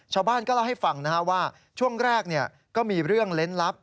ชาวบ้านก็เล่าให้ฟังว่าช่วงแรกก็มีเรื่องเล่นลับ